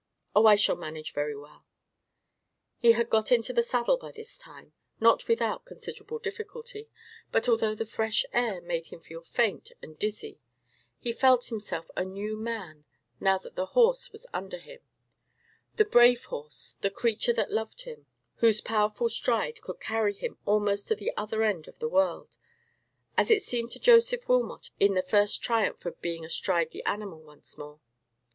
"Oh, I shall manage very well." He had got into the saddle by this time, not without considerable difficulty; but though the fresh air made him feel faint and dizzy, he felt himself a new man now that the horse was under him—the brave horse, the creature that loved him, whose powerful stride could carry him almost to the other end of the world; as it seemed to Joseph Wilmot in the first triumph of being astride the animal once more.